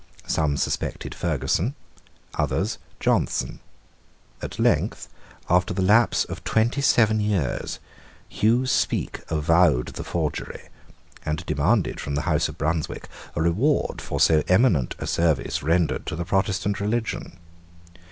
Some suspected Ferguson, others Johnson. At length, after the lapse of twenty seven years, Hugh Speke avowed the forgery, and demanded from the House of Brunswick a reward for so eminent a service rendered to the Protestant religion.